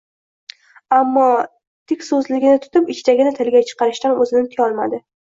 Ammo tikso`zligi tutib, ichidagini tiliga chiqarishdan o`zini tiyolmadi